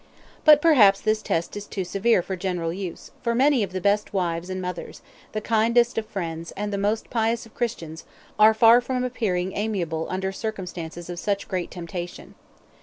But perhaps his test is too severe for general use, for many of the best of wives and mothers, the kindest of friends, and the most pious of Christians, are very far from appearing amiable under circumstances of such great temptation.